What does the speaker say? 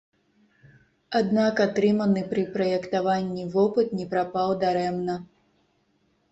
Аднак атрыманы пры праектаванні вопыт не прапаў дарэмна.